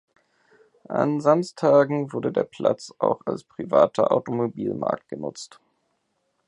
An Samstagen wurde der Platz auch als privater Automobilmarkt genutzt.